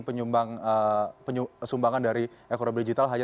penyumbang sumbangan dari ekonomi digital hanya tiga